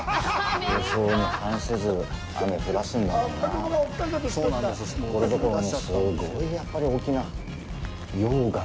予想に反せず、雨降らすんだもんなあ。